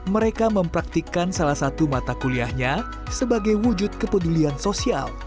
mereka mempraktikkan salah satu mata kuliahnya sebagai wujud kepedulian sosial